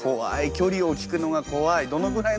距離を聞くのが怖い。